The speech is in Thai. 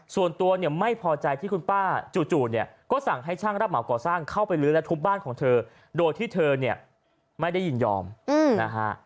ส่วนตัวเนี่ยไม่พอใจที่คุณป้าจู่เนี่ยก็สั่งให้ช่างรับเหมาก่อสร้างเข้าไปลื้อและทุบบ้านของเธอโดยที่เธอเนี่ยไม่ได้ยินยอมนะฮะ